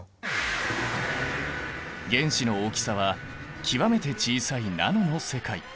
原子の大きさは極めて小さいナノの世界。